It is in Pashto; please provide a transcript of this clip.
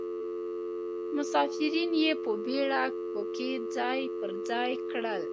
مسافرین یې په بیړه په کې ځای پر ځای کړل.